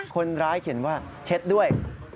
คนร้ายเขียนว่าเช็ดด้วย